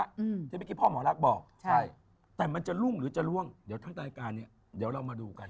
ที่เมื่อกี้พ่อหมอรักบอกใช่แต่มันจะรุ่งหรือจะล่วงเดี๋ยวทางรายการเนี้ยเดี๋ยวเรามาดูกัน